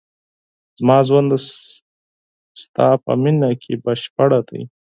زما ژوند د ستا په مینه کې بشپړ دی.